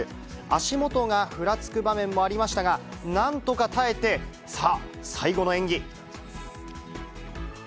足元がふらつく場面もありましたが、なんとか耐えて、さあ、最後の演技。